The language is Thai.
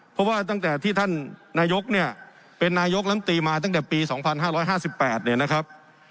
เพราะว่าตั้งแต่ที่ท่านนายกำตีเนี้ยเป็นนายกำตีมาตั้งแต่ปีสองพันห้าร้อยห้าสิบแปดเนี้ยนะครับ